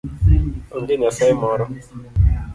Onge nyasaye moro.